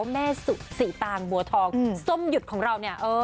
แม่สิตางบัวทองส้มหยุดของเรา